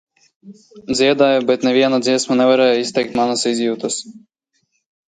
Dziedāju, bet neviena dziesma nevarēja izteikt manas izjūtas.